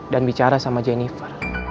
dan bicara sama jennifer